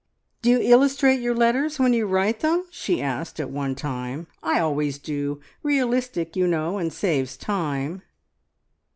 "D'you illustrate your letters when you write them?" she asked at one time. "I always do! Realistic, you know, and saves time.